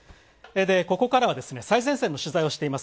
ここからは最前線の取材をしています